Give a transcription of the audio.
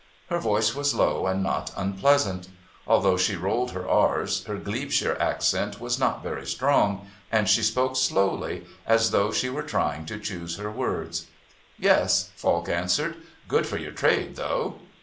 Her voice was low and not unpleasant; although she rolled her r's her Glebeshire accent was not very strong, and she spoke slowly, as though she were trying to choose her words. "Yes," Falk answered. "Good for your trade, though."